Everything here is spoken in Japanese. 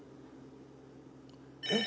えっ